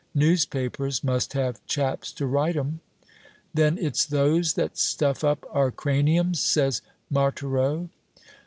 Newspapers must have chaps to write 'em." "Then it's those that stuff up our craniums?" says Marthereau.